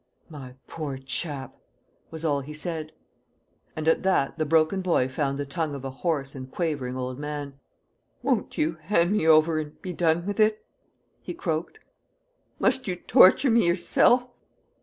"My poor chap!" was all he said. And at that the broken boy found the tongue of a hoarse and quavering old man. "Won't you hand me over and be done with it?" he croaked. "Must you torture me yourself?"